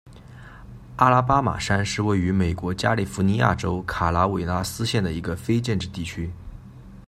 阿拉巴马山是位于美国加利福尼亚州卡拉韦拉斯县的一个非建制地区。